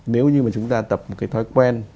nếu như mà chúng ta tập một cái thói quen